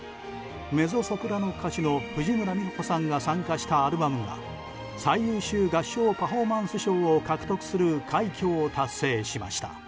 メゾソプラノ歌手の藤村実穂子さんが参加したアルバムが最優秀合唱パフォーマンス賞を獲得する快挙を達成しました。